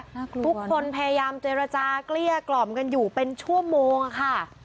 ทุกคนพยายามเจรจาเกลี้ยกล่อมกันอยู่เป็นชั่วโมงค่ะ